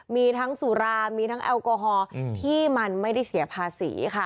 มีสุราธิ์มีแอลกอฮอล์ที่มันไม่ได้เสียภาษี